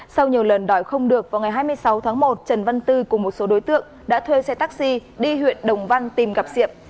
sau nhiều lần đòi không được vào ngày hai mươi sáu tháng một trần văn tư cùng một số đối tượng đã thuê xe taxi đi huyện đồng văn tìm gặp diệm